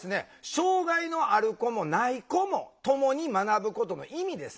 障害のある子もない子もともに学ぶことの意味ですね。